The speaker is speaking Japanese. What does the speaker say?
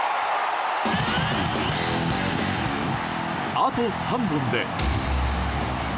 あと３本で。